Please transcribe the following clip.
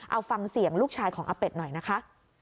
เอาฟังเสียงลูกชายของอาเป็ดหน่อยนะคะ